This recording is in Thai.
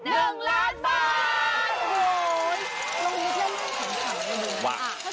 โอ้ยลองคิดเรื่องของสาวนี้ดูนะอ่ะ